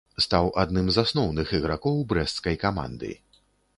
Стаў адным з асноўных ігракоў брэсцкай каманды.